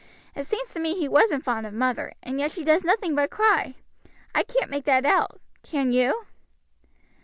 It seems to me he wasn't fond of mother, and yet she does nothing but cry; I can't make that out, can you?"